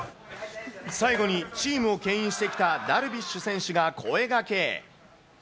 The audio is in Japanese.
最後にチームをけん引してきたダルビッシュ選手が声掛け。